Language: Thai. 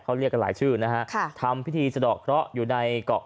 เขาเรียกกันหลายชื่อนะฮะค่ะทำพิธีสะดอกเคราะห์อยู่ในเกาะ